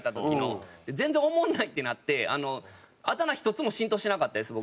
全然おもんないってなってあだ名１つも浸透してなかったです